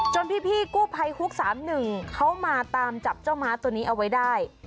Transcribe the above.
พี่กู้ภัยฮุก๓๑เขามาตามจับเจ้าม้าตัวนี้เอาไว้ได้